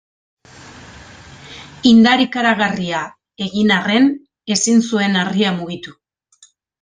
Indar ikaragarria egin arren ezin zuen harria mugitu.